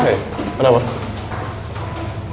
hei apa kabar